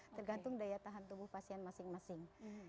tergantung daya tahan tubuh pasien masing masing